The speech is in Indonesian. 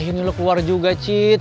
akhirnya lo keluar juga cid